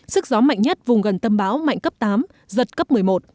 sức gió mạnh nhất vùng gần tâm bão mạnh cấp tám giật cấp một mươi một